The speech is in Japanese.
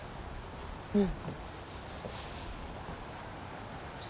うん。